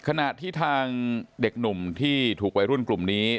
ขณะที่ทางเด็กหนุ่มที่ถูกวัยรุ่นกลุ่มนี้